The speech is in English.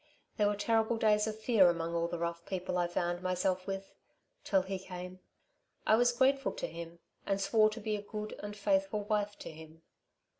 There were terrible days of fear among all the rough people I found myself with ... till he came. I was grateful to him, and swore to be a good and faithful wife to him.